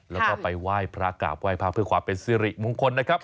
แล้วก็ไปไหว้พระกาลไหว้ภาพวิบความเป็นซีริมงคลนะครับ